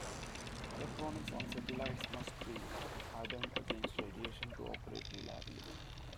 Electronics on satellites must be hardened against radiation to operate reliably.